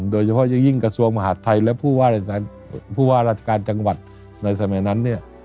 โดยเฉพาะยิ่งกระทรวงมหาธัยและผู้ว่าราชการจังหวัดในสมัยนั้น